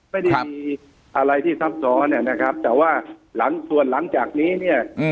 ไม่ได้มีอะไรที่ซับซ้อนนะครับแต่ว่าหลังส่วนหลังจากนี้เนี่ย